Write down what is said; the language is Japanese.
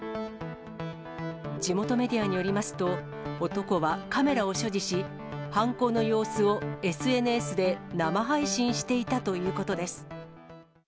地元メディアによりますと、男はカメラを所持し、犯行の様子をＳＮＳで生配信していたということです。